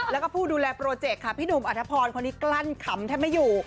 แล้วก็ผู้ดูแลโปรเจกต์ค่ะพี่หนุ่มอัธพรคนนี้กลั้นขำแทบไม่อยู่